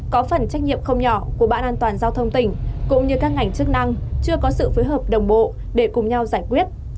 có phần trách nhiệm không nhỏ của bạn an toàn giao thông tỉnh cũng như các ngành chức năng chưa có sự phối hợp đồng bộ để cùng nhau giải quyết